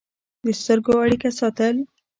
د سترګو اړیکه ساتل